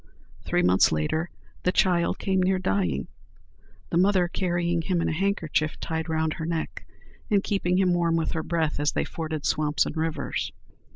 Three months later the child came near dying, the mother carrying him in a handkerchief tied round her neck, and keeping him warm with her breath, as they forded swamps and rivers.